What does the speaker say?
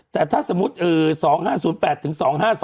แต่ถ้าสมมุติ๒๕๐๘ถึง๒๕๐